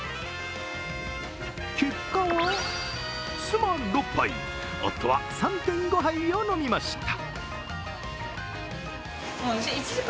結果は、妻６杯、夫は３．５杯を飲みました。